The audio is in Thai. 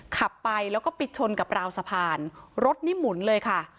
ขับไปแล้วก็ไปชนกับราวสะพานรถนี่หมุนเลยค่ะ